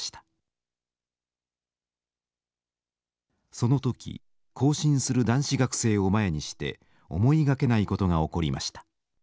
その時行進する男子学生を前にして思いがけないことが起こりました。